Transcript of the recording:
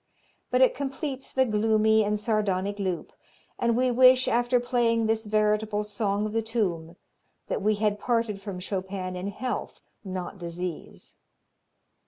But it completes the gloomy and sardonic loop, and we wish, after playing this veritable song of the tomb, that we had parted from Chopin in health, not disease.